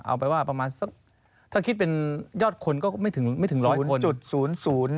เอาไปว่าประมาณสักถ้าคิดเป็นยอดคนก็ไม่ถึง๑๐๐คน